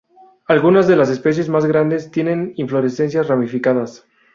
Algunas de las especies más grandes tienen inflorescencias ramificadas.